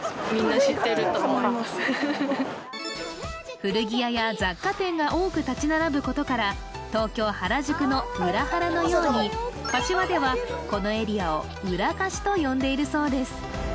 古着屋や雑貨店が多く立ち並ぶことから東京・原宿の「裏原」のように柏ではこのエリアをウラカシと呼んでいるそうです